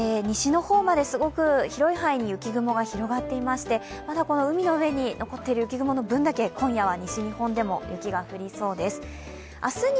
西の方まですごく広い範囲に雪雲が広がっていましてまだ海の上に残っている雪雲の分だけ、今夜は西日本でも雪が降りそうです。